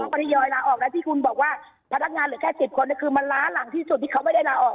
เพราะว่าพนักงานเหลือแค่๑๐คนคือมันล้าหลังที่สุดที่เขาไม่ได้ลาออก